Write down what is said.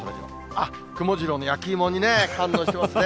あっ、くもジローの焼き芋にね、反応してますね。